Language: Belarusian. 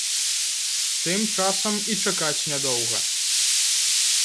Тым часам і чакаць не доўга.